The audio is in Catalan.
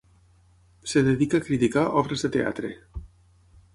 Es dedica a criticar obres de teatre.